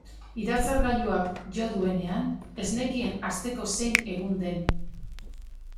Iratzargailuak jo duenean ez nekien asteko zein egun den.